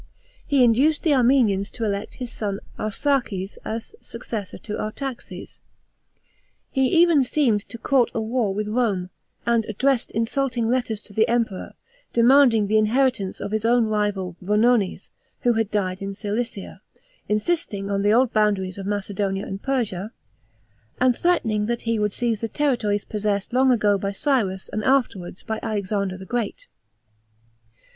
He induced the Armenians to elect his son Arsacr s as successor of Artaxes. He even seerm d to court a war with Rome, an 1 addressed insulting letters to the Emperor, demand ing the inheritance of his old rival Vonones, who had died in Cilicia, insisting on the old boundaries of Macedonia and Persia, and threatening that he won! 1 seize the territories possessed long ago by Gyms and afterwards bv Alexander the Great.